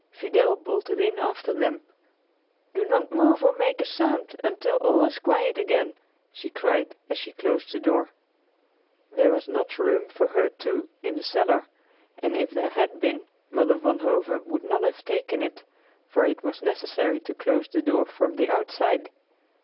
Fidel bolted in after them. "Do not move or make a sound until all is quiet again," she cried as she closed the door. There was not room for her too, in the cellar, and if there had been, Mother Van Hove would not have taken it, for it was necessary to close the door from the outside.